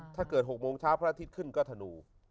ถ้าเกิด๖โมงเช้าพระอาทิตย์ขึ้นก็ธนู